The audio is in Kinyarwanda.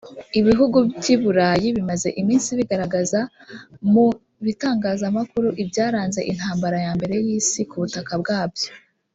Ibihugu by’i Burayi bimaze iminsi bigaragaza mu bitangazamakuru ibyaranze Intambara ya Mbere y’Isi ku butaka bwabyo